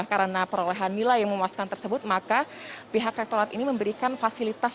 karena perolehan nilai yang memuaskan tersebut maka pihak rektorat ini memberikan fasilitas